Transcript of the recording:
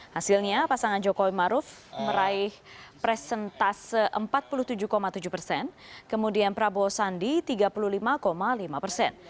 hasilnya pasangan jokowi maruf meraih presentase empat puluh tujuh tujuh persen kemudian prabowo sandi tiga puluh lima lima persen